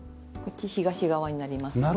こっち東側になります。